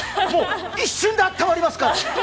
一瞬であったまりますから。